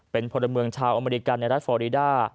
เป็นพลเมืองชาวอเมริกันในรัฐฟอริดา